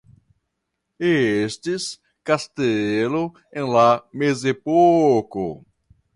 Estis kastelo en la Mezepoko.